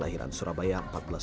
tahlilan itu biasa